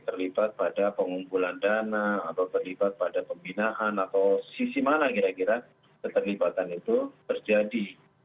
terlibat pada pengumpulan dana atau terlibat pada pembinaan atau sisi mana kira kira keterlibatan itu terjadi